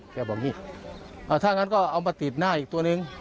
แกบอกนี่ถ้างั้นก็เอามาติดหน้าอีกตัวหนึ่ง